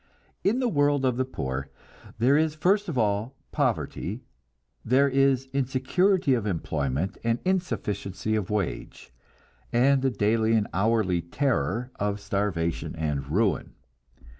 In the world of the poor there is first of all poverty; there is insecurity of employment and insufficiency of wage, and the daily and hourly terror of starvation and ruin.